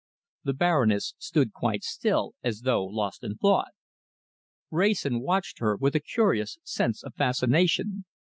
The Baroness stood quite still, as though lost in thought. Wrayson watched her with a curious sense of fascination.